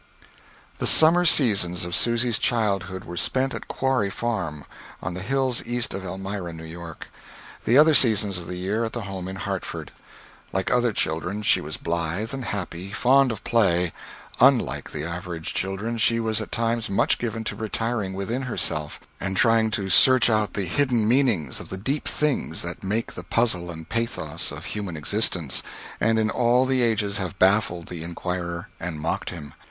The summer seasons of Susy's childhood were spent at Quarry Farm, on the hills east of Elmira, New York; the other seasons of the year at the home in Hartford. Like other children, she was blithe and happy, fond of play; unlike the average of children, she was at times much given to retiring within herself, and trying to search out the hidden meanings of the deep things that make the puzzle and pathos of human existence, and in all the ages have baffled the inquirer and mocked him.